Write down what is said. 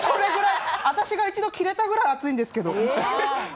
私が一度キレたぐらい熱いんですけど。